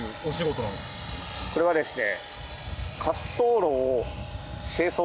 これはですね。